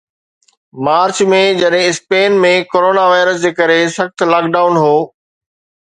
march ۾، جڏهن Spain ۾ coronavirus جي ڪري سخت لاڪ ڊائون هو